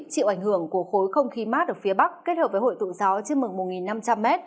chịu ảnh hưởng của khối không khí mát ở phía bắc kết hợp với hội tụ gió trên mực một năm trăm linh m